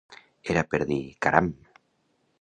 Era per dir: "Caram!".